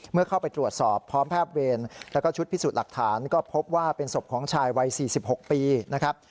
เมื่อเข้าไปตรวจสอบพร้อมแพทย์เวรแล้วก็ชุดพิสูจน์หลักฐานก็พบว่าเป็นศพของชายวัย๔๖ปีนะครับ